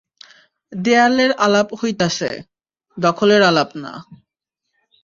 দেয়ালের আলাপ হইতাসে, দখলের আলাপ না।